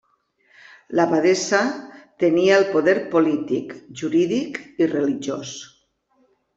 L'abadessa tenia el poder polític, jurídic i religiós.